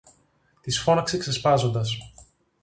της φώναξε ξεσπάζοντας